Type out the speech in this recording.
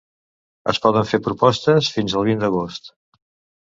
Es poden fer propostes fins al vint d'agost.